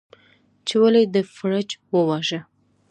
، چې ولې دې فرج وواژه؟